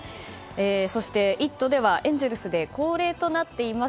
そして、「イット！」ではエンゼルスで恒例となっています